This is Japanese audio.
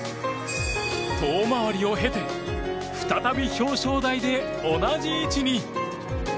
遠回りを経て再び表彰台で同じ位置に。